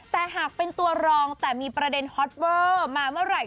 แต่หากเป็นตัวรองแต่มีประเด็นฮอตเวอร์มาเมื่อไหร่